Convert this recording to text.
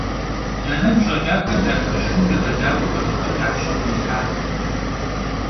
Ya negu ş'eç'axer yatxıjjınu yêğecak'uem abıxem ya pşe khıdilhhat.